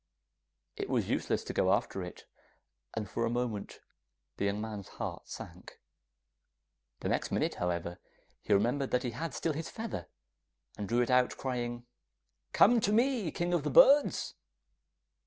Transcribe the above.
It was useless to go after it, and for a moment the young man's heart sank. The next minute, however, he remembered that he had still his feather, and drew it out crying, 'Come to me, King of the Birds!